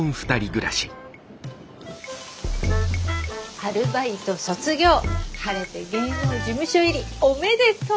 アルバイト卒業晴れて芸能事務所入りおめでとう。